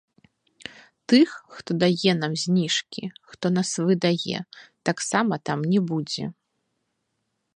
Тых, хто дае нам зніжкі, хто нас выдае, таксама там не будзе.